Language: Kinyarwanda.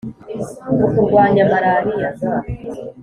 mu kurwanya malaria,